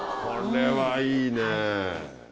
これはいいね！